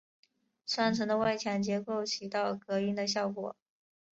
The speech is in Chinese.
双层的外墙结构起到隔音的效果。